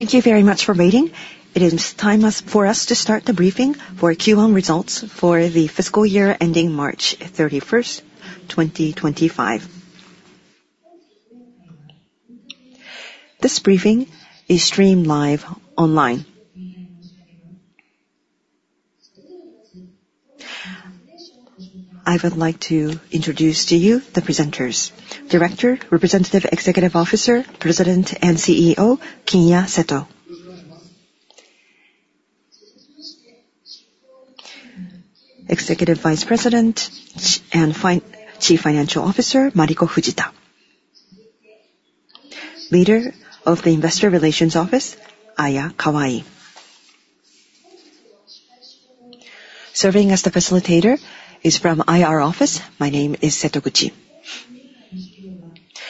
Thank you very much for waiting. It is time for us to start the briefing for Q1 results for the fiscal year ending March 31st, 2025. This briefing is streamed live online. I would like to introduce to you the presenters: Director, Representative Executive Officer, President, and CEO Kinya Seto. Executive Vice President and Chief Financial Officer Mariko Fujita. Leader of the Investor Relations Office, Aya Kawai. Serving as the facilitator is from IR Office. My name is Setoguchi.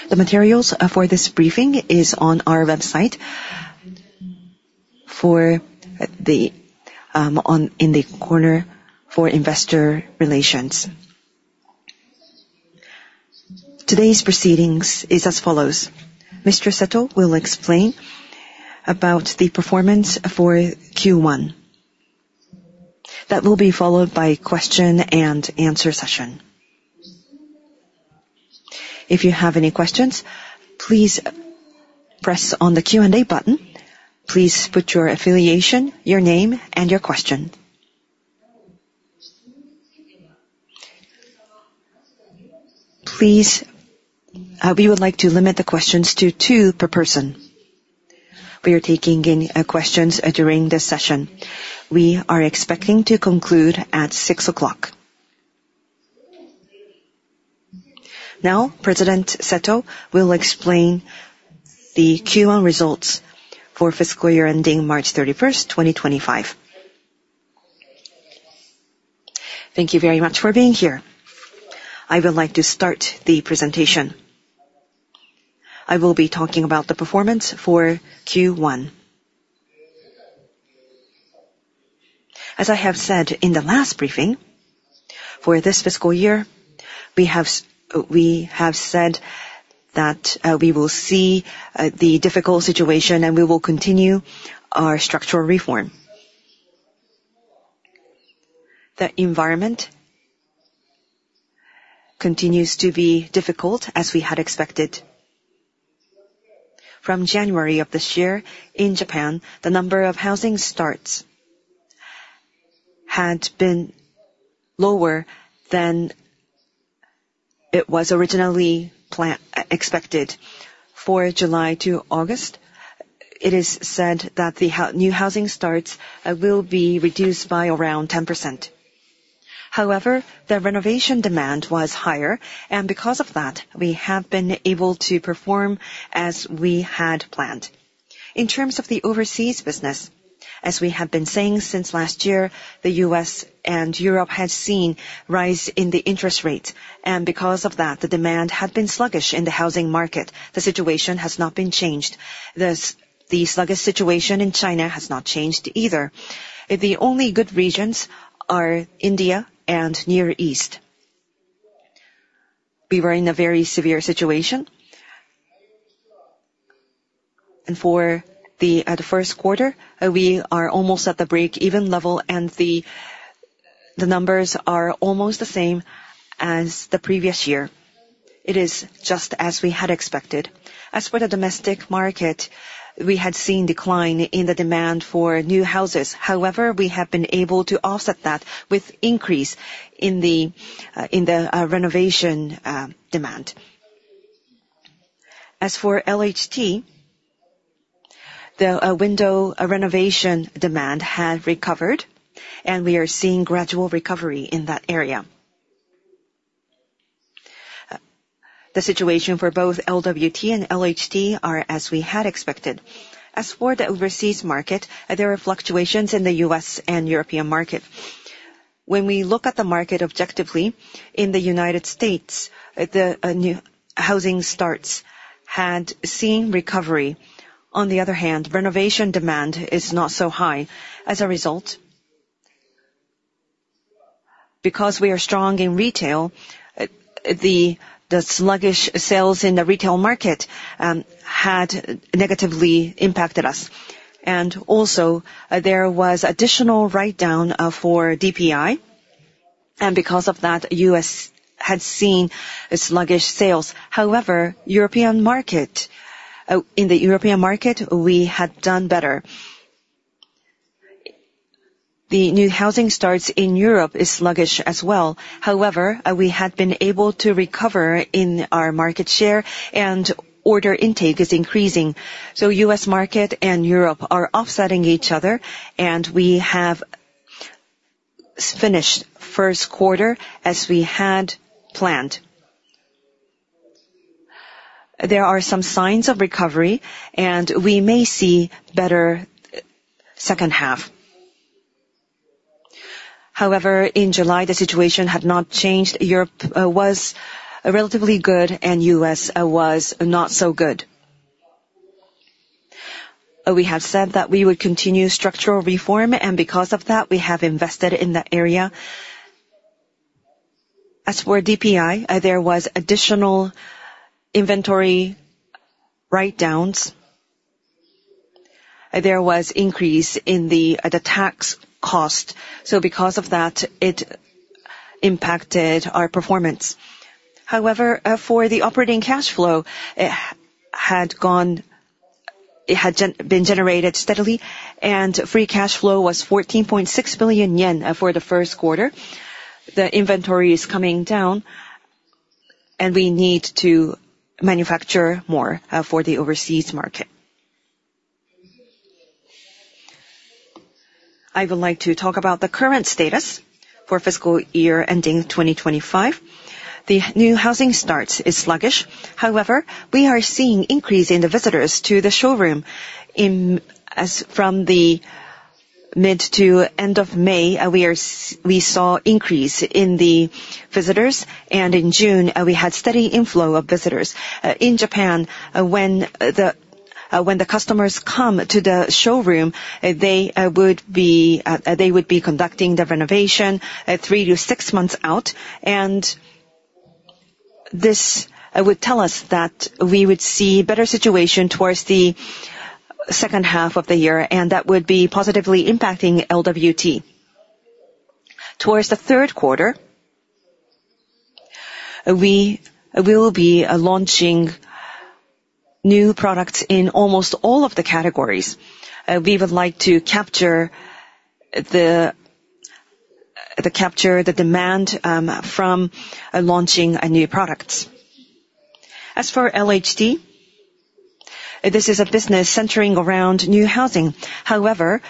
The materials for this briefing are on our website in the corner for Investor Relations. Today's proceedings are as follows: Mr. Seto will explain about the performance for Q1. That will be followed by a question-and-answer session. If you have any questions, please press on the Q&A button. Please put your affiliation, your name, and your question. Please, we would like to limit the questions to two per person. We are taking in questions during this session. We are expecting to conclude at 6 o'clock. Now, President Seto will explain the Q1 results for fiscal year ending March 31st, 2025. Thank you very much for being here. I would like to start the presentation. I will be talking about the performance for Q1. As I have said in the last briefing, for this fiscal year, we have said that we will see the difficult situation and we will continue our structural reform. The environment continues to be difficult as we had expected. From January of this year in Japan, the number of housing starts had been lower than it was originally expected. For July to August, it is said that the new housing starts will be reduced by around 10%. However, the renovation demand was higher, and because of that, we have been able to perform as we had planned. In terms of the overseas business, as we have been saying since last year, the U.S. and Europe have seen a rise in the interest rates, and because of that, the demand had been sluggish in the housing market. The situation has not been changed. The sluggish situation in China has not changed either. The only good regions are India and the Near East. We were in a very severe situation. For the first quarter, we are almost at the break-even level, and the numbers are almost the same as the previous year. It is just as we had expected. As for the domestic market, we had seen a decline in the demand for new houses. However, we have been able to offset that with an increase in the renovation demand. As for LHT, the window renovation demand had recovered, and we are seeing a gradual recovery in that area. The situation for both LWT and LHT is as we had expected. As for the overseas market, there are fluctuations in the U.S. and European market. When we look at the market objectively, in the United States, the new housing starts had seen recovery. On the other hand, renovation demand is not so high. As a result, because we are strong in retail, the sluggish sales in the retail market had negatively impacted us. And also, there was an additional write-down for DPI, and because of that, the U.S. had seen sluggish sales. However, in the European market, we had done better. The new housing starts in Europe are sluggish as well. However, we had been able to recover in our market share, and order intake is increasing. So the U.S. market and Europe are offsetting each other, and we have finished the first quarter as we had planned. There are some signs of recovery, and we may see a better second half. However, in July, the situation had not changed. Europe was relatively good, and the U.S. was not so good. We have said that we would continue structural reform, and because of that, we have invested in that area. As for DPI, there were additional inventory write-downs. There was an increase in the tax cost. So because of that, it impacted our performance. However, for the operating cash flow, it had been generated steadily, and free cash flow was 14.6 billion yen for the first quarter. The inventory is coming down, and we need to manufacture more for the overseas market. I would like to talk about the current status for the fiscal year ending 2025. The new housing starts are sluggish. However, we are seeing an increase in the visitors to the showroom. From the mid to end of May, we saw an increase in the visitors, and in June, we had a steady inflow of visitors. In Japan, when the customers come to the showroom, they would be conducting the renovation three to six months out, and this would tell us that we would see a better situation towards the second half of the year, and that would be positively impacting LWT. Toward the third quarter, we will be launching new products in almost all of the categories. We would like to capture the demand from launching new products. As for LHT, this is a business centering around new housing. However,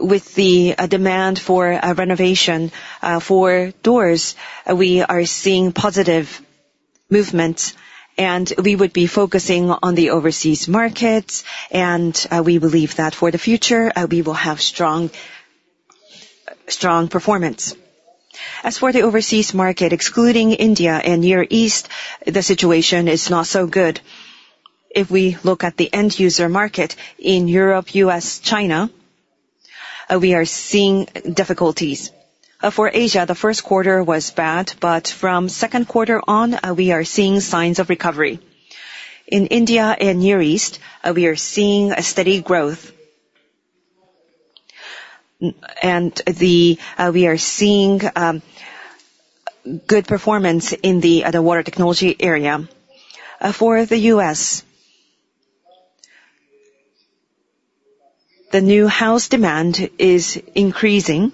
with the demand for renovation for doors, we are seeing positive movements, and we would be focusing on the overseas markets, and we believe that for the future, we will have strong performance. As for the overseas market, excluding India and the Near East, the situation is not so good. If we look at the end-user market in Europe, US, China, we are seeing difficulties. For Asia, the first quarter was bad, but from the second quarter on, we are seeing signs of recovery. In India and the Near East, we are seeing steady growth, and we are seeing good performance in the water technology area. For the US, the new house demand is increasing,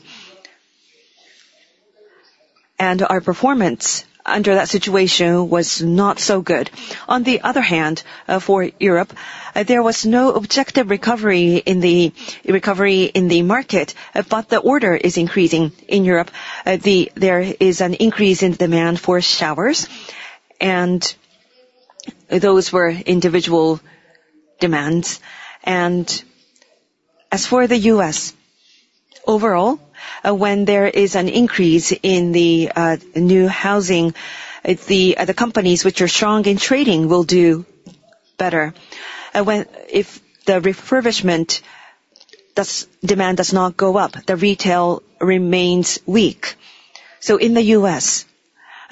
and our performance under that situation was not so good. On the other hand, for Europe, there was no objective recovery in the market, but the order is increasing in Europe. There is an increase in demand for showers, and those were individual demands. And as for the U.S., overall, when there is an increase in the new housing, the companies which are strong in trading will do better. If the refurbishment demand does not go up, the retail remains weak. So in the U.S.,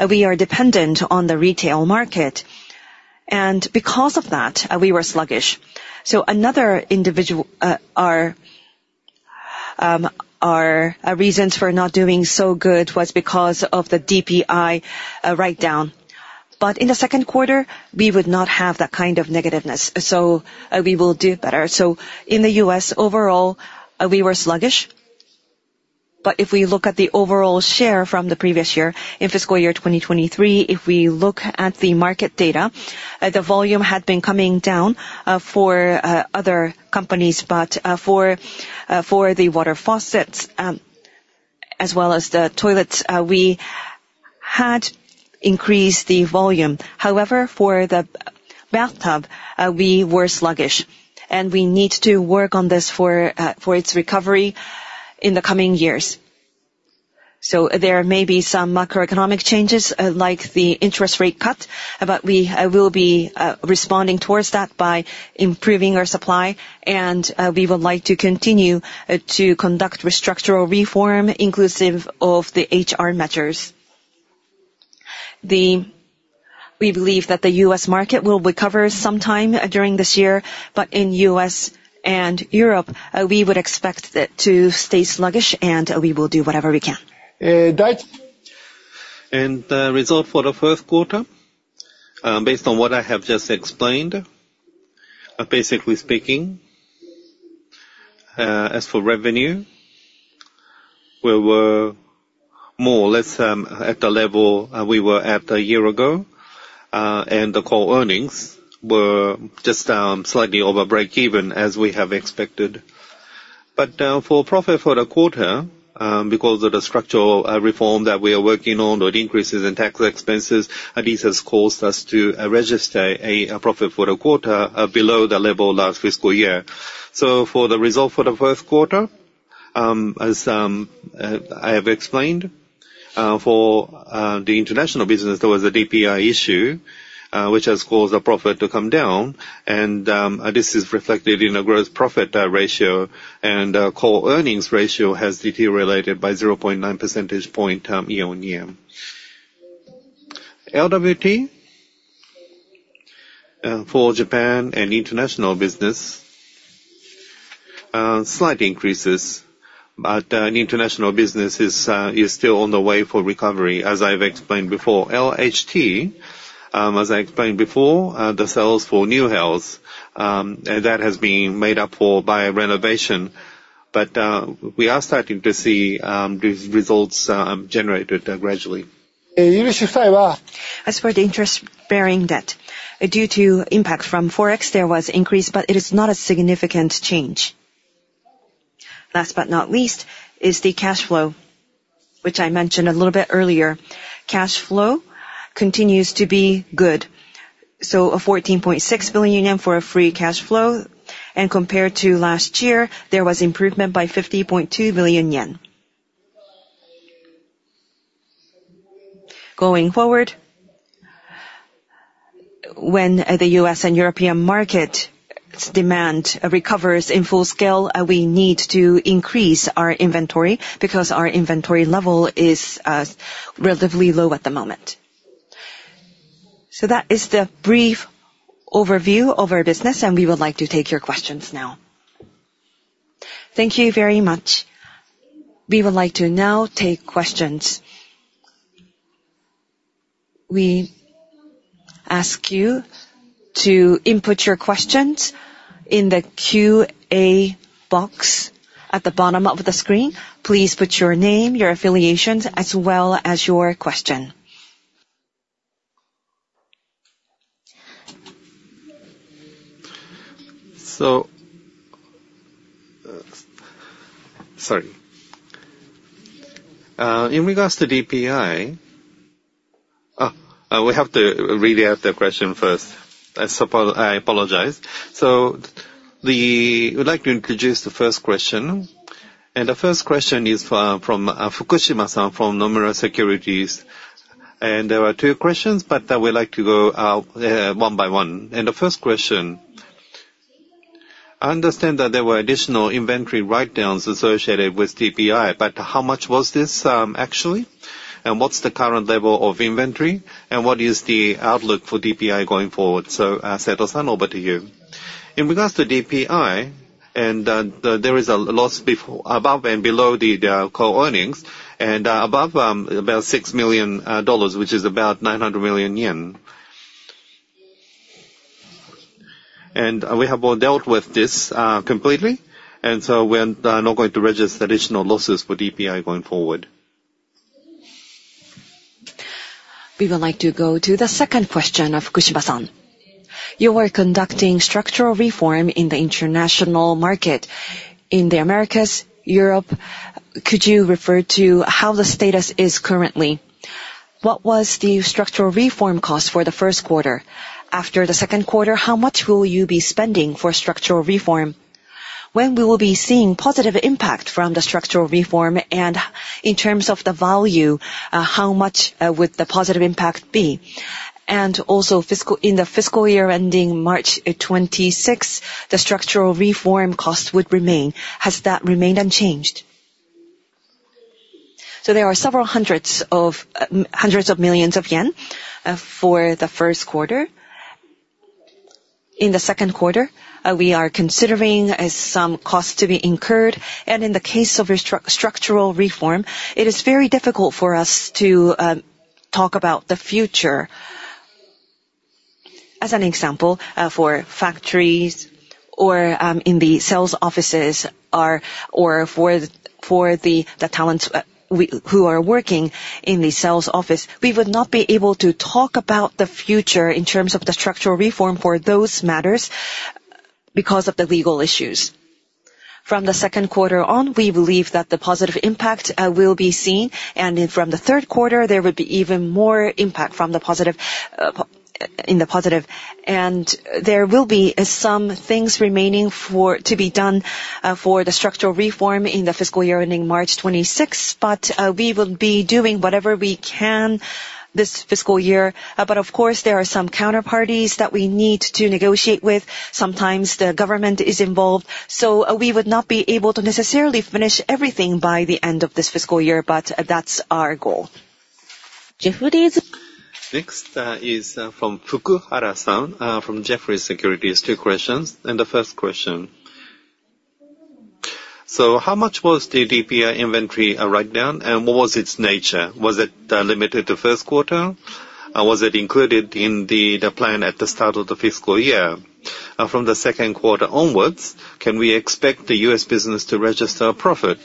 we are dependent on the retail market, and because of that, we were sluggish. So another reason for not doing so good was because of the DPI write-down. But in the second quarter, we would not have that kind of negativeness, so we will do better. So in the U.S., overall, we were sluggish, but if we look at the overall share from the previous year, in fiscal year 2023, if we look at the market data, the volume had been coming down for other companies, but for the water faucets as well as the toilets, we had increased the volume. However, for the bathtub, we were sluggish, and we need to work on this for its recovery in the coming years. So there may be some macroeconomic changes, like the interest rate cut, but we will be responding towards that by improving our supply, and we would like to continue to conduct structural reform, inclusive of the HR measures. We believe that the U.S. market will recover sometime during this year, but in the U.S. and Europe, we would expect to stay sluggish, and we will do whatever we can. And the result for the first quarter, based on what I have just explained, basically speaking, as for revenue, we were more or less at the level we were at a year ago, and the core earnings were just slightly over break-even, as we have expected. But for profit for the quarter, because of the structural reform that we are working on, or the increases in tax expenses, this has caused us to register a profit for the quarter below the level last fiscal year. So for the result for the first quarter, as I have explained, for the international business, there was a DPI issue which has caused the profit to come down, and this is reflected in a gross profit ratio, and the core earnings ratio has deteriorated by 0.9 percentage points year-on-year. LWT, for Japan and international business, slight increases, but international business is still on the way for recovery, as I've explained before. LHT, as I explained before, the sales for new houses, that has been made up for by renovation, but we are starting to see these results generated gradually. As for the interest-bearing debt, due to impact from Forex, there was an increase, but it is not a significant change. Last but not least is the cash flow, which I mentioned a little bit earlier. Cash flow continues to be good. So 14.6 billion yen for a free cash flow, and compared to last year, there was improvement by 50.2 billion yen. Going forward, when the U.S. and European market demand recovers in full scale, we need to increase our inventory because our inventory level is relatively low at the moment. So that is the brief overview of our business, and we would like to take your questions now. Thank you very much. We would like to now take questions. We ask you to input your questions in the Q&A box at the bottom of the screen. Please put your name, your affiliations, as well as your question. So, sorry. In regards to DPI, we have to read out the question first. I apologize. So we'd like to introduce the first question, and the first question is from Fukushima-san from Nomura Securities, and there are two questions, but we'd like to go one by one. And the first question, I understand that there were additional inventory write-downs associated with DPI, but how much was this actually? And what's the current level of inventory, and what is the outlook for DPI going forward? So Seto, over to you. In regards to DPI, there is a loss above and below the core earnings, and above about $6 million, which is about 900 million yen. And we have dealt with this completely, and so we're not going to register additional losses for DPI going forward. We would like to go to the second question of Fukushima-san. You are conducting structural reform in the international market in the Americas, Europe. Could you refer to how the status is currently? What was the structural reform cost for the first quarter? After the second quarter, how much will you be spending for structural reform? When will we be seeing a positive impact from the structural reform, and in terms of the value, how much would the positive impact be? And also, in the fiscal year ending March 2026, the structural reform cost would remain. Has that remained unchanged? So there are several hundreds of millions of yen for the first quarter. In the second quarter, we are considering some costs to be incurred, and in the case of structural reform, it is very difficult for us to talk about the future. As an example, for factories or in the sales offices, or for the talent who are working in the sales office, we would not be able to talk about the future in terms of the structural reform for those matters because of the legal issues. From the second quarter on, we believe that the positive impact will be seen, and from the third quarter, there would be even more impact in the positive. There will be some things remaining to be done for the structural reform in the fiscal year ending March 2026, but we will be doing whatever we can this fiscal year. Of course, there are some counterparties that we need to negotiate with. Sometimes the government is involved, so we would not be able to necessarily finish everything by the end of this fiscal year, but that's our goal. Next is from Fukuhara-san from Jefferies. Two questions. The first question. So how much was the DPI inventory write-down, and what was its nature? Was it limited to the first quarter, or was it included in the plan at the start of the fiscal year? From the second quarter onwards, can we expect the U.S. business to register profit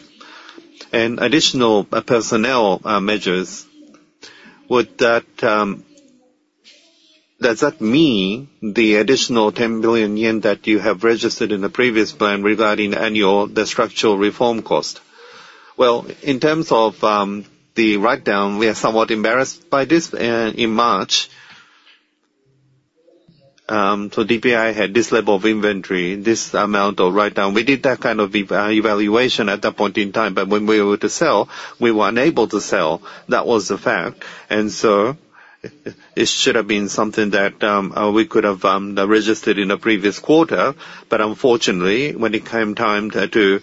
and additional personnel measures? Does that mean the additional 10 billion yen that you have registered in the previous plan regarding the structural reform cost? Well, in terms of the write-down, we are somewhat embarrassed by this in March. So DPI had this level of inventory, this amount of write-down. We did that kind of evaluation at that point in time, but when we were to sell, we were unable to sell. That was the fact. So it should have been something that we could have registered in the previous quarter, but unfortunately, when it came time to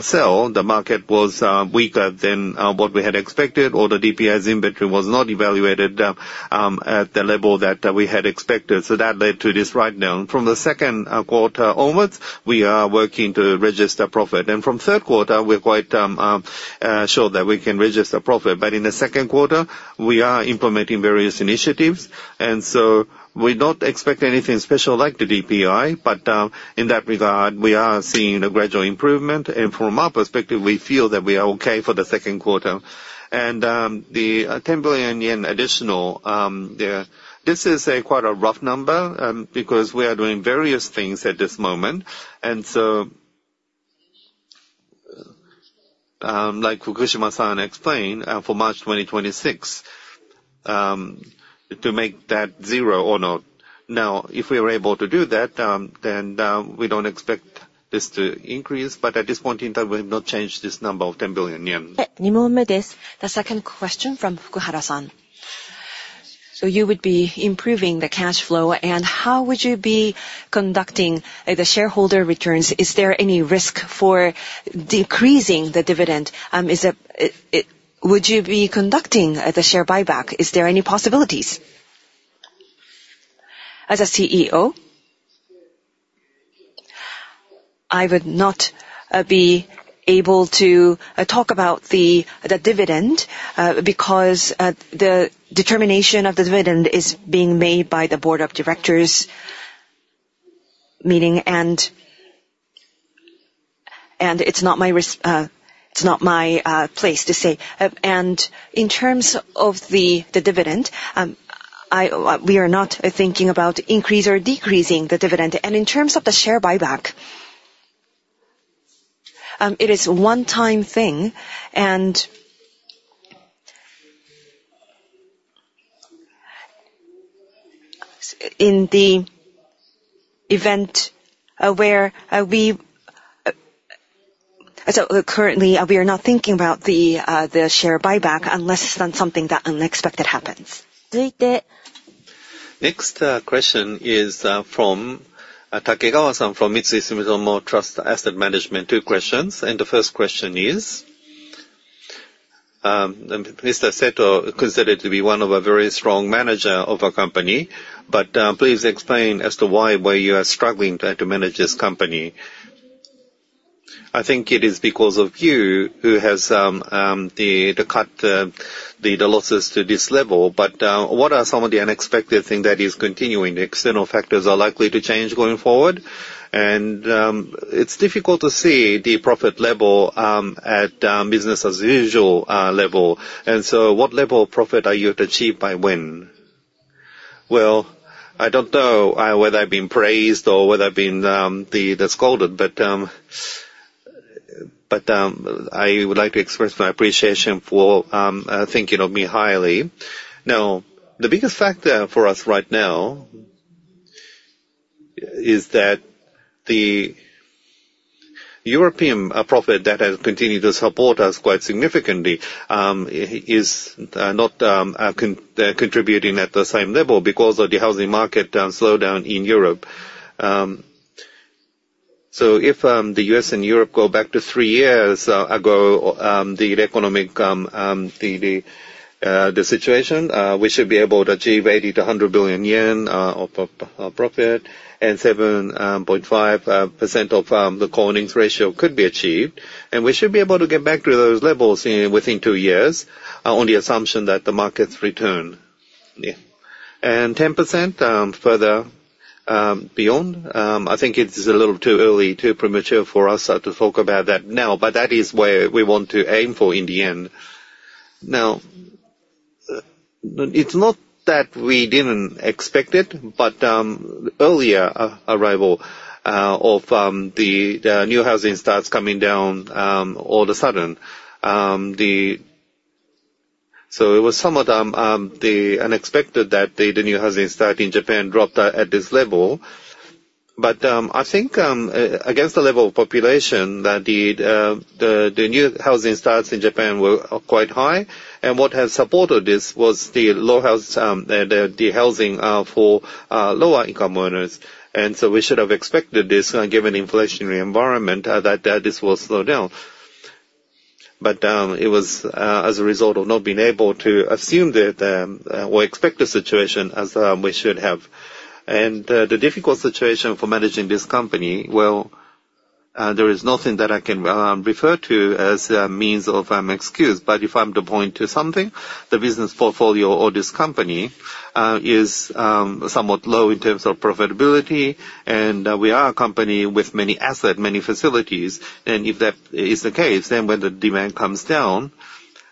sell, the market was weaker than what we had expected, or the DPI's inventory was not evaluated at the level that we had expected. So that led to this write-down. From the second quarter onwards, we are working to register profit. And from the third quarter, we're quite sure that we can register profit. But in the second quarter, we are implementing various initiatives, and so we don't expect anything special like the DPI, but in that regard, we are seeing a gradual improvement. And from our perspective, we feel that we are okay for the second quarter. And the 10 billion yen additional, this is quite a rough number because we are doing various things at this moment. So, like Fukushima-san explained, for March 2026, to make that zero or not. Now, if we are able to do that, then we don't expect this to increase, but at this point in time, we have not changed this number of 10 billion yen. The second question from Fukuhara-san. So you would be improving the cash flow, and how would you be conducting the shareholder returns? Is there any risk for decreasing the dividend? Would you be conducting the share buyback? Is there any possibilities? As a CEO, I would not be able to talk about the dividend because the determination of the dividend is being made by the board of directors, meaning it's not my place to say. And in terms of the dividend, we are not thinking about increasing or decreasing the dividend. And in terms of the share buyback, it is a one-time thing. In the event where we currently are not thinking about the share buyback unless it's something that unexpected happens. Next question is from Takegawa-san from Sumitomo Mitsui Trust Asset Management. Two questions. The first question is, Mr. Seto is considered to be one of a very strong manager of a company, but please explain as to why you are struggling to manage this company. I think it is because of you who has cut the losses to this level, but what are some of the unexpected things that are continuing? External factors are likely to change going forward, and it's difficult to see the profit level at business-as-usual level. So what level of profit are you to achieve by when? Well, I don't know whether I've been praised or whether I've been scolded, but I would like to express my appreciation for thinking of me highly. Now, the biggest factor for us right now is that the European profit that has continued to support us quite significantly is not contributing at the same level because of the housing market slowdown in Europe. So if the US and Europe go back to three years ago, the economic situation, we should be able to achieve 80 billion-100 billion yen of profit, and 7.5% of the core earnings ratio could be achieved. And we should be able to get back to those levels within two years on the assumption that the markets return. And 10% further beyond, I think it's a little too early, too premature for us to talk about that now, but that is where we want to aim for in the end. Now, it's not that we didn't expect it, but earlier arrival of the new housing starts coming down all of a sudden. So it was somewhat unexpected that the new housing start in Japan dropped at this level. But I think against the level of population that the new housing starts in Japan were quite high, and what has supported this was the low housing for lower-income earners. And so we should have expected this, given the inflationary environment, that this will slow down. But it was as a result of not being able to assume or expect the situation as we should have. And the difficult situation for managing this company, well, there is nothing that I can refer to as a means of excuse, but if I'm to point to something, the business portfolio of this company is somewhat low in terms of profitability, and we are a company with many assets, many facilities. And if that is the case, then when the demand comes down,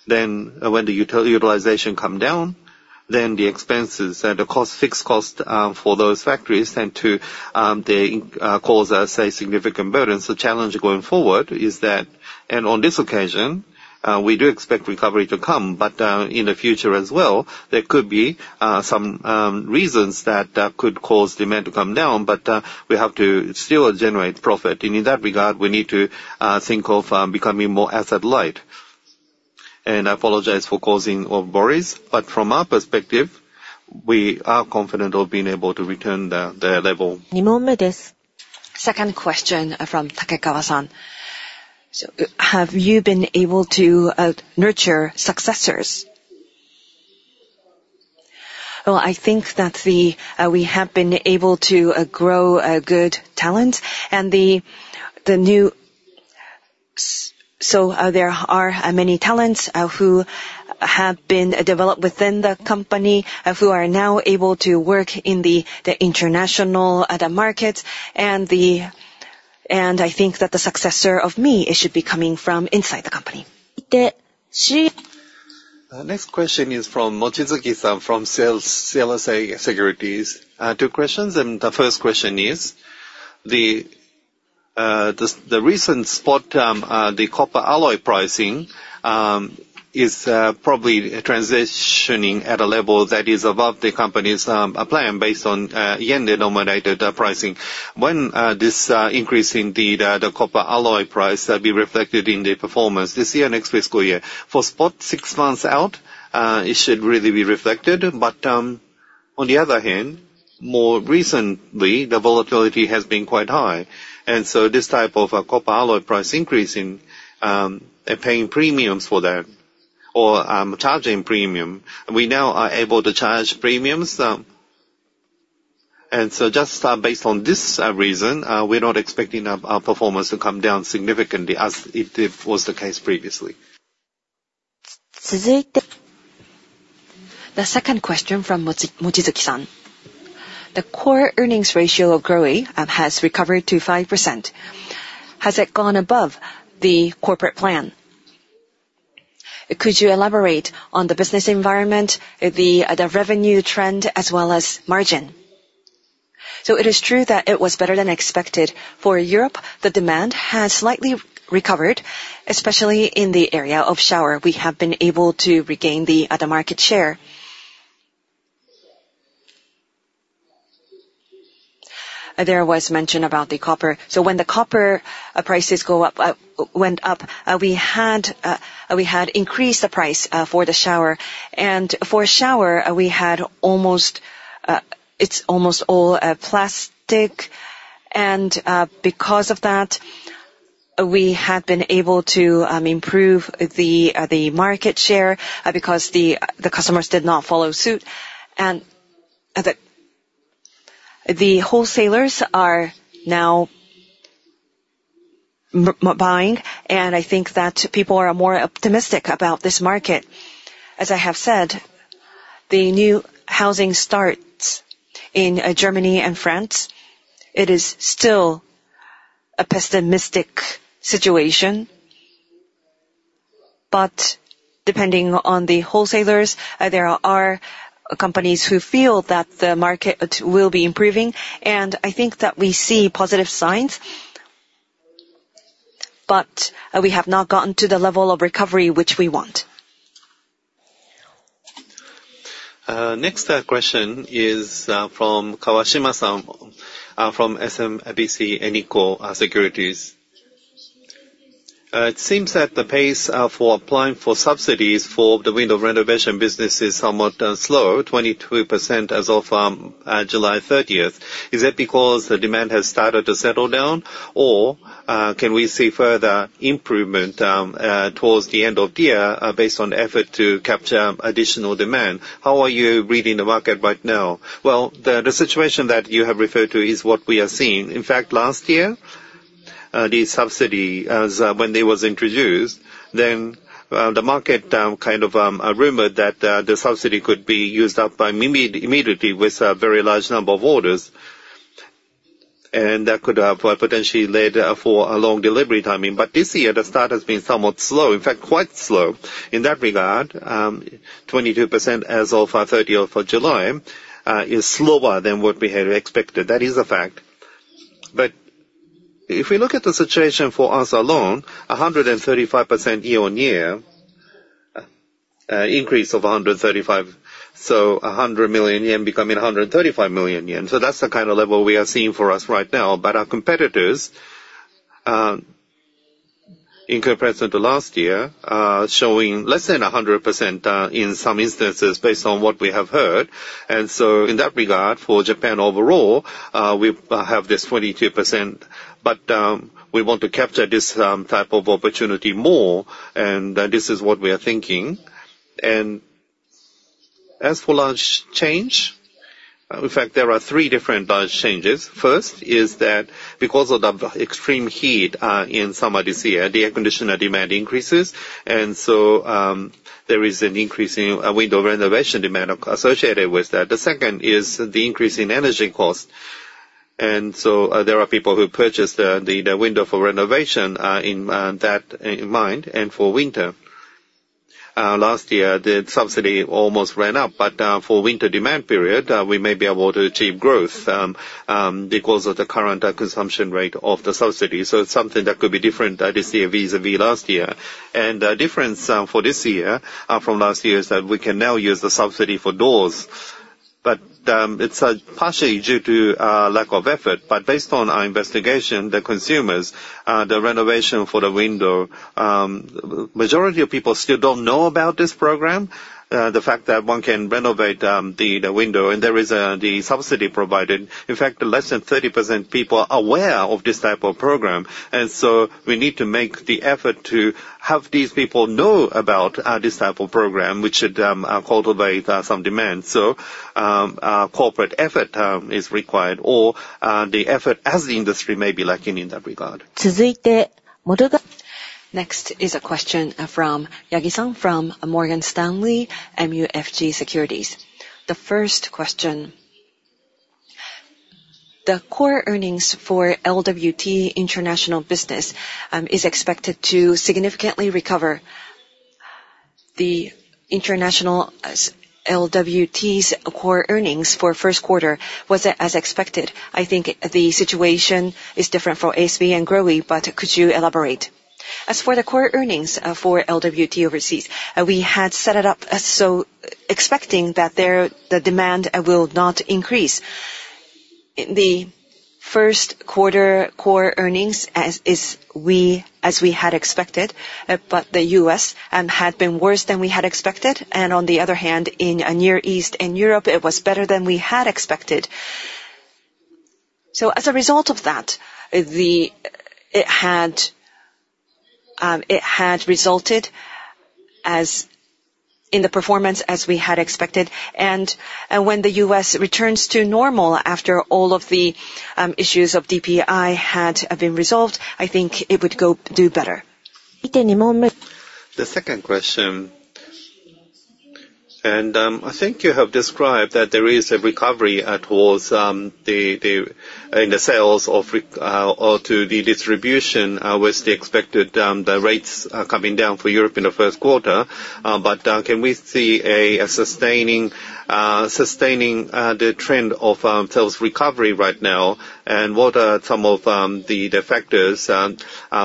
then when the utilization comes down, then the expenses and the fixed costs for those factories tend to cause, say, significant burdens. The challenge going forward is that, and on this occasion, we do expect recovery to come, but in the future as well, there could be some reasons that could cause demand to come down, but we have to still generate profit. And in that regard, we need to think of becoming more asset-light. And I apologize for causing worries, but from our perspective, we are confident of being able to return the level. Second question from Takegawa-san. Have you been able to nurture successors? Well, I think that we have been able to grow good talent. And so there are many talents who have been developed within the company who are now able to work in the international market, and I think that the successor of me should be coming from inside the company. Next question is from Mochizuki-san from CLSA Securities. Two questions, and the first question is, the recent spot price, the copper alloy pricing is probably transitioning at a level that is above the company's plan based on yen-denominated pricing. When this increase in the copper alloy price will be reflected in the performance this year and next fiscal year? For spot six months out, it should really be reflected, but on the other hand, more recently, the volatility has been quite high. And so this type of copper alloy price increase in paying premiums for that or charging premiums, we now are able to charge premiums. And so just based on this reason, we're not expecting our performance to come down significantly as it was the case previously. The second question from Mochizuki-san. The core earnings ratio of GROHE has recovered to 5%. Has it gone above the corporate plan? Could you elaborate on the business environment, the revenue trend, as well as margin? So it is true that it was better than expected. For Europe, the demand has slightly recovered, especially in the area of shower. We have been able to regain the market share. There was mention about the copper. So when the copper prices went up, we had increased the price for the shower. And for shower, it's almost all plastic, and because of that, we have been able to improve the market share because the customers did not follow suit. And the wholesalers are now buying, and I think that people are more optimistic about this market. As I have said, the new housing starts in Germany and France. It is still a pessimistic situation, but depending on the wholesalers, there are companies who feel that the market will be improving. And I think that we see positive signs, but we have not gotten to the level of recovery which we want. Next question is from Kawashima-san from SMBC Nikko Securities. It seems that the pace for applying for subsidies for the window renovation business is somewhat slow, 22% as of July 30. Is that because the demand has started to settle down, or can we see further improvement towards the end of the year based on effort to capture additional demand? How are you reading the market right now? Well, the situation that you have referred to is what we are seeing. In fact, last year, the subsidy, when it was introduced, then the market kind of rumored that the subsidy could be used up immediately with a very large number of orders, and that could have potentially led to a long delivery timing. But this year, the start has been somewhat slow, in fact, quite slow. In that regard, 22% as of 30th of July is slower than what we had expected. That is a fact. But if we look at the situation for us alone, 135% year-on-year increase of 135, so 100 million yen becoming 135 million yen. So that's the kind of level we are seeing for us right now. But our competitors in comparison to last year are showing less than 100% in some instances based on what we have heard. And so in that regard, for Japan overall, we have this 22%, but we want to capture this type of opportunity more, and this is what we are thinking. And as for large change, in fact, there are three different large changes. First is that because of the extreme heat in summer this year, the air conditioner demand increases, and so there is an increase in window renovation demand associated with that. The second is the increase in energy cost. So there are people who purchase the window for renovation in that mind and for winter. Last year, the subsidy almost ran up, but for winter demand period, we may be able to achieve growth because of the current consumption rate of the subsidy. It's something that could be different this year vis-à-vis last year. The difference for this year from last year is that we can now use the subsidy for doors, but it's partially due to lack of effort. Based on our investigation, the consumers, the renovation for the window, the majority of people still don't know about this program, the fact that one can renovate the window, and there is the subsidy provided. In fact, less than 30% of people are aware of this type of program. And so we need to make the effort to have these people know about this type of program, which should cultivate some demand. So corporate effort is required or the effort as the industry may be lacking in that regard. Next is a question from Yagi-san from Morgan Stanley MUFG Securities. The first question. The core earnings for LWT International Business is expected to significantly recover. The international LWT's core earnings for first quarter wasn't as expected. I think the situation is different for ASB and GROHE, but could you elaborate? As for the core earnings for LWT overseas, we had set it up so expecting that the demand will not increase. The first quarter core earnings is as we had expected, but the U.S. had been worse than we had expected. And on the other hand, in Near East and Europe, it was better than we had expected. So as a result of that, it had resulted in the performance as we had expected. And when the U.S. returns to normal after all of the issues of DPI had been resolved, I think it would do better. The second question. I think you have described that there is a recovery towards the sales or to the distribution with the expected rates coming down for Europe in the first quarter. But can we see a sustaining the trend of sales recovery right now? And what are some of the factors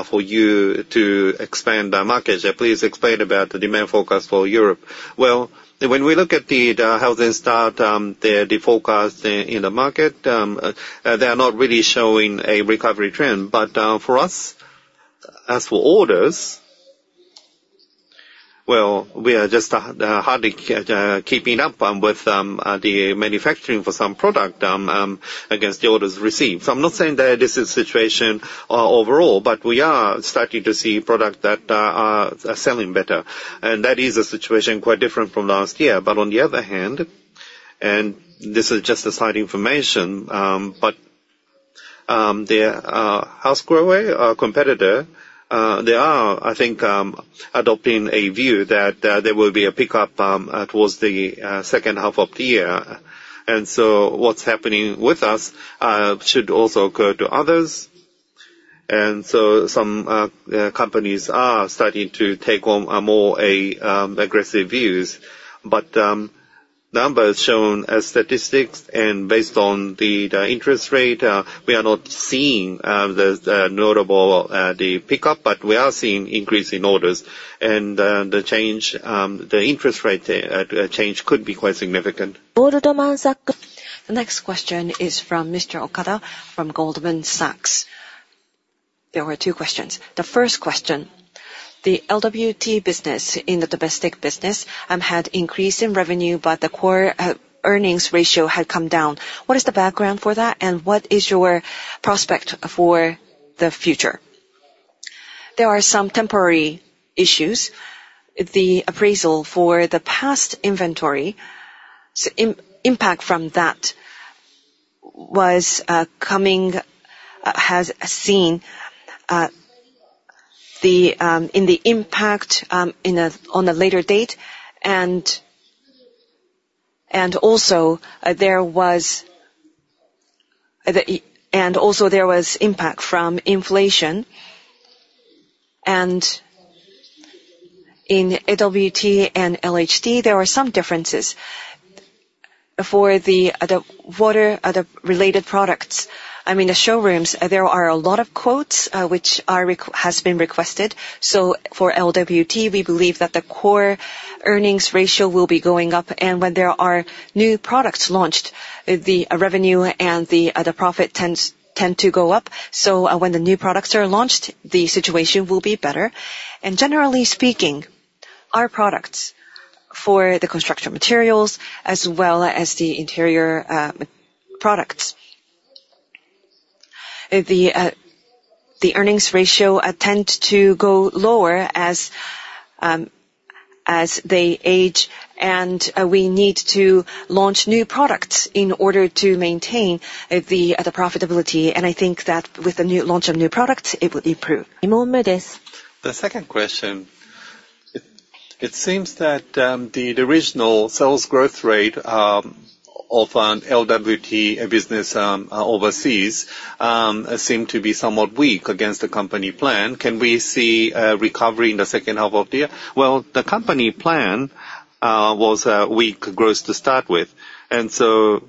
for you to expand the market? Please explain about the demand focus for Europe. Well, when we look at the housing starts, the focus in the market, they are not really showing a recovery trend. But for us, as for orders, well, we are just hardly keeping up with the manufacturing for some products against the orders received. So I'm not saying that this is a situation overall, but we are starting to see products that are selling better. And that is a situation quite different from last year. But on the other hand, and this is just a slight information, but the housing competitor, they are, I think, adopting a view that there will be a pickup towards the second half of the year. So what's happening with us should also occur to others. So some companies are starting to take on more aggressive views. But numbers shown as statistics and based on the interest rate, we are not seeing the notable pickup, but we are seeing increase in orders. And the interest rate change could be quite significant. The next question is from Mr. Okada from Goldman Sachs. There were two questions. The first question, the LWT business in the domestic business had increased in revenue, but the core earnings ratio had come down. What is the background for that, and what is your prospect for the future? There are some temporary issues. The appraisal for the past inventory, impact from that was coming, has seen in the impact on a later date. And also there was impact from inflation. And in LWT and LHT, there are some differences. For the water-related products, I mean, the showrooms, there are a lot of quotes which have been requested. So for LWT, we believe that the core earnings ratio will be going up. And when there are new products launched, the revenue and the profit tend to go up. When the new products are launched, the situation will be better. Generally speaking, our products for the construction materials as well as the interior products, the earnings ratio tend to go lower as they age. We need to launch new products in order to maintain the profitability. I think that with the launch of new products, it will improve. The second question. It seems that the original sales growth rate of an LWT business overseas seemed to be somewhat weak against the company plan. Can we see a recovery in the second half of the year? Well, the company plan was weak growth to start with. And so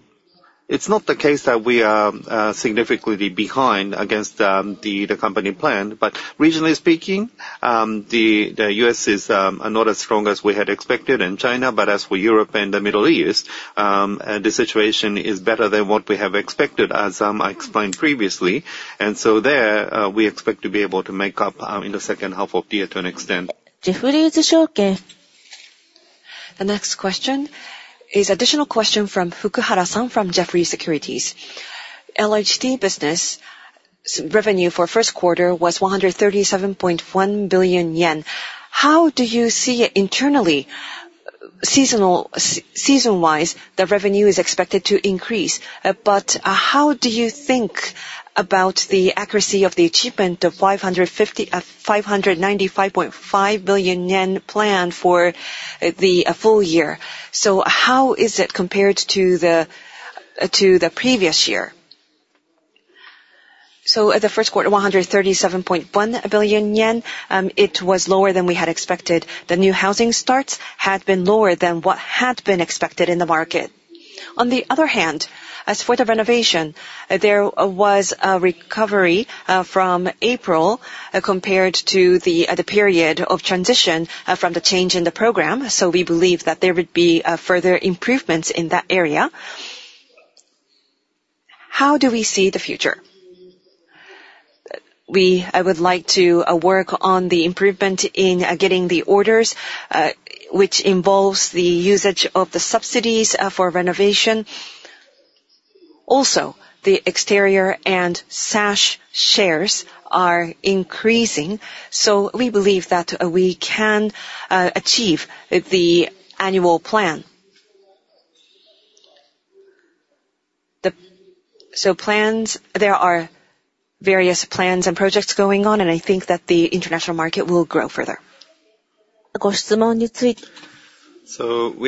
it's not the case that we are significantly behind against the company plan. But regionally speaking, the U.S. is not as strong as we had expected in China, but as for Europe and the Middle East, the situation is better than what we have expected, as I explained previously. And so there, we expect to be able to make up in the second half of the year to an extent. The next question is an additional question from Fukuhara-san from Jefferies. LHT business revenue for first quarter was 137.1 billion yen. How do you see internally, season-wise, the revenue is expected to increase? But how do you think about the accuracy of the achievement of 595.5 billion yen plan for the full year? So how is it compared to the previous year? So the first quarter, 137.1 billion yen, it was lower than we had expected. The new housing starts had been lower than what had been expected in the market. On the other hand, as for the renovation, there was a recovery from April compared to the period of transition from the change in the program. So we believe that there would be further improvements in that area. How do we see the future? We would like to work on the improvement in getting the orders, which involves the usage of the subsidies for renovation. Also, the exterior and sash shares are increasing. So we believe that we can achieve the annual plan. So there are various plans and projects going on, and I think that the international market will grow further. We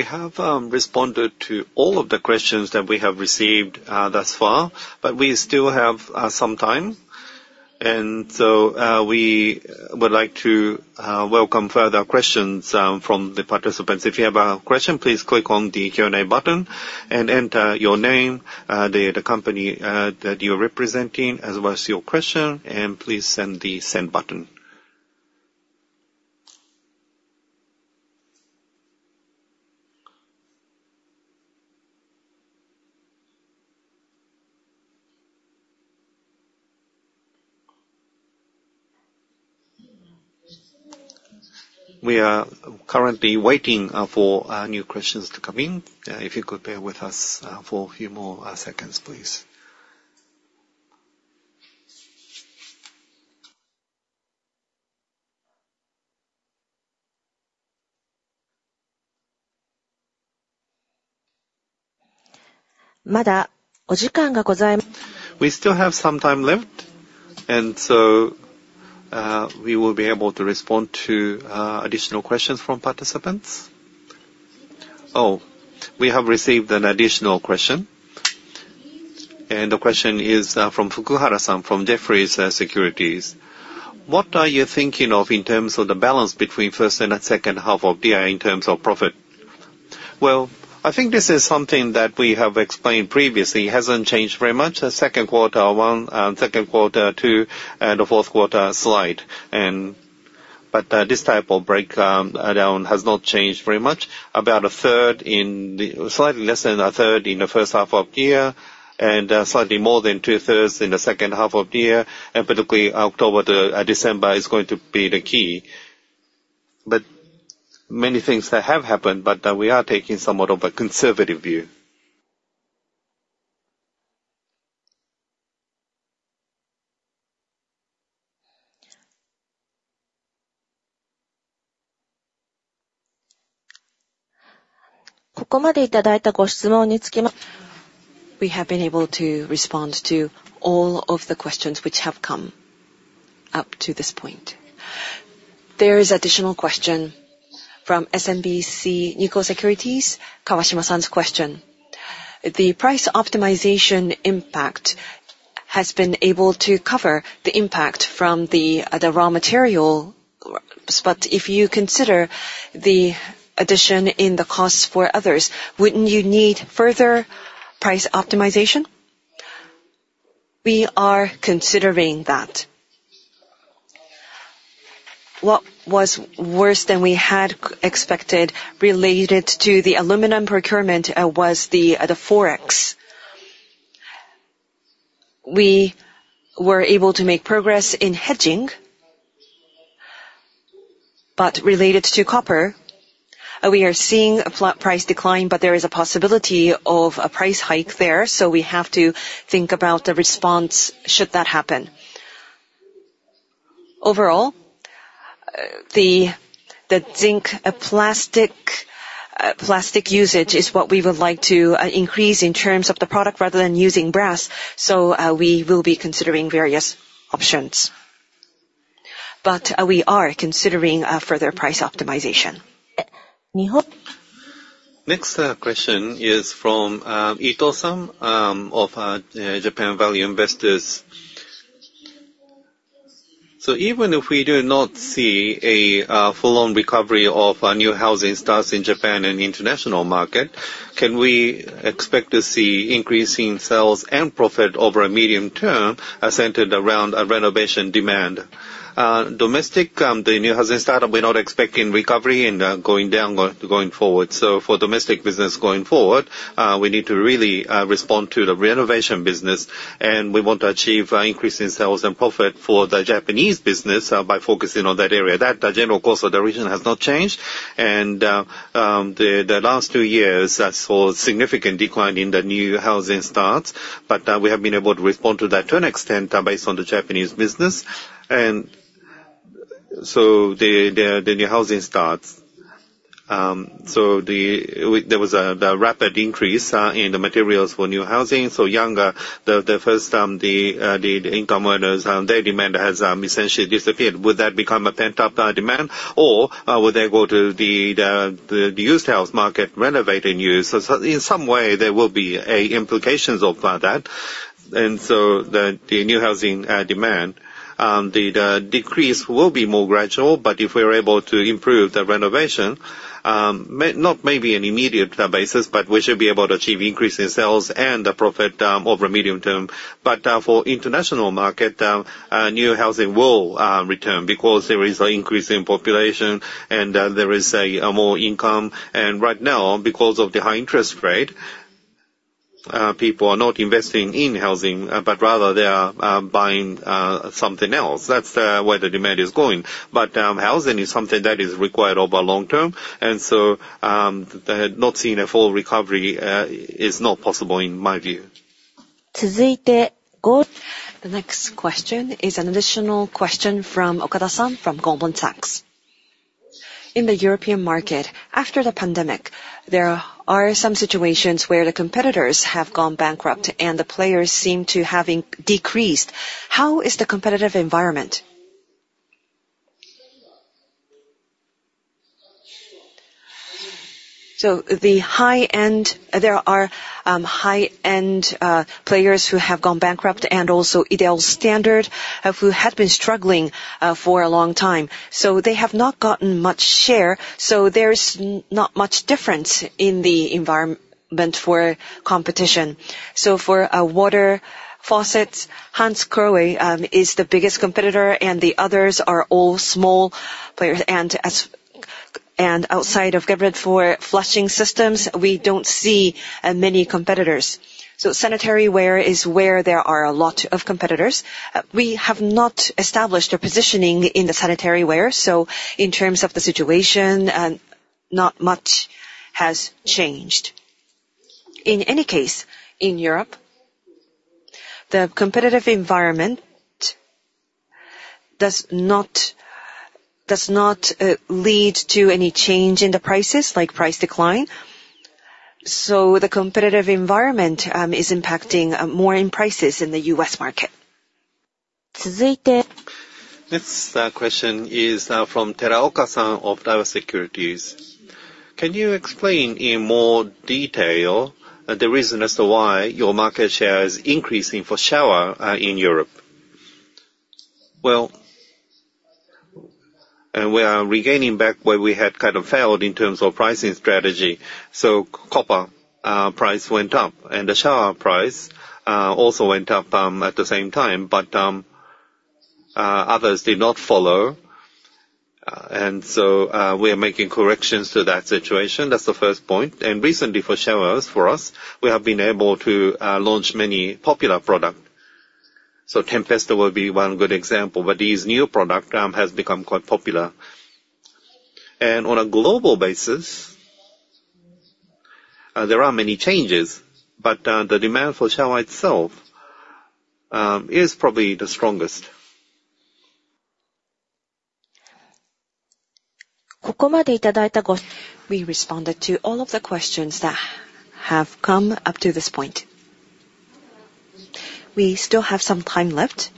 have responded to all of the questions that we have received thus far, but we still have some time. So we would like to welcome further questions from the participants. If you have a question, please click on the Q&A button and enter your name, the company that you're representing, as well as your question, and please press the send button. We are currently waiting for new questions to come in. If you could bear with us for a few more seconds, please. We still have some time left, and so we will be able to respond to additional questions from participants. Oh, we have received an additional question. And the question is from Fukuhara-san from Jefferies. What are you thinking of in terms of the balance between first and second half of the year in terms of profit? Well, I think this is something that we have explained previously. It hasn't changed very much. The second quarter, second quarter, and the fourth quarter slide. But this type of breakdown has not changed very much. About a third, slightly less than a third in the first half of the year, and slightly more than two-thirds in the second half of the year, and particularly October to December is going to be the key. But many things have happened, but we are taking somewhat of a conservative view. We have been able to respond to all of the questions which have come up to this point. There is an additional question from SMBC Nikko Securities, Kawashima-san's question. The price optimization impact has been able to cover the impact from the raw material, but if you consider the addition in the costs for others, wouldn't you need further price optimization? We are considering that. What was worse than we had expected related to the aluminum procurement was the Forex. We were able to make progress in hedging, but related to copper, we are seeing a flat price decline, but there is a possibility of a price hike there. So we have to think about the response should that happen. Overall, the zinc plastic usage is what we would like to increase in terms of the product rather than using brass. So we will be considering various options. But we are considering further price optimization. Next question is from Ito-san of Japan Value Investors. So even if we do not see a full-on recovery of new housing starts in Japan and international market, can we expect to see increasing sales and profit over a medium term centered around renovation demand? Domestic, the new housing starts, we're not expecting recovery and going down going forward. So for domestic business going forward, we need to really respond to the renovation business. And we want to achieve increasing sales and profit for the Japanese business by focusing on that area. That general course of the region has not changed. And the last two years, that's for a significant decline in the new housing starts. But we have been able to respond to that to an extent based on the Japanese business. And so the new housing starts. So there was a rapid increase in the materials for new housing. So younger, the first time, the income earners, their demand has essentially disappeared. Would that become a pent-up demand, or would they go to the used house market renovating use? So in some way, there will be implications of that. And so the new housing demand, the decrease will be more gradual. But if we're able to improve the renovation, not maybe an immediate basis, but we should be able to achieve increasing sales and the profit over a medium term. But for international market, new housing will return because there is an increase in population and there is more income. And right now, because of the high interest rate, people are not investing in housing, but rather they are buying something else. That's where the demand is going. But housing is something that is required over a long term. So not seeing a full recovery is not possible in my view. The next question is an additional question from Okada-san from Goldman Sachs. In the European market, after the pandemic, there are some situations where the competitors have gone bankrupt and the players seem to have decreased. How is the competitive environment? So there are high-end players who have gone bankrupt and also Ideal Standard, who had been struggling for a long time. So they have not gotten much share. So there's not much difference in the environment for competition. So for water, faucets, Hansgrohe is the biggest competitor, and the others are all small players. And outside of Geberit for flushing systems, we don't see many competitors. So sanitary ware is where there are a lot of competitors. We have not established a positioning in the sanitary ware. So in terms of the situation, not much has changed. In any case, in Europe, the competitive environment does not lead to any change in the prices, like price decline. So the competitive environment is impacting more in prices in the U.S. market. Next question is from Teraoka-san of Daiwa Securities. Can you explain in more detail the reason as to why your market share is increasing for shower in Europe? Well, we are regaining back where we had kind of failed in terms of pricing strategy. So copper price went up, and the shower price also went up at the same time. But others did not follow. And so we are making corrections to that situation. That's the first point. And recently for showers, for us, we have been able to launch many popular products. So Tempesta will be one good example. But these new products have become quite popular. And on a global basis, there are many changes, but the demand for shower itself is probably the strongest. We responded to all of the questions that have come up to this point. We still have some time left.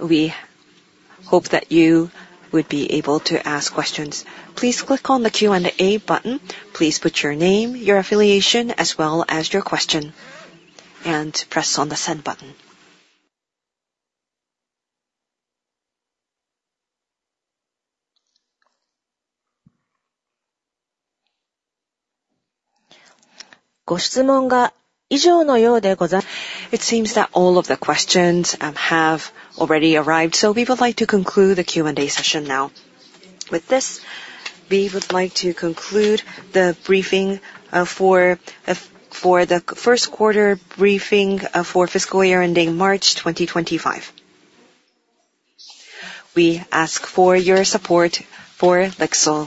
We hope that you would be able to ask questions. Please click on the Q&A button. Please put your name, your affiliation, as well as your question, and press on the send button. It seems that all of the questions have already arrived. So we would like to conclude the Q&A session now. With this, we would like to conclude the briefing for the first quarter briefing for fiscal year ending March 2025. We ask for your support for the.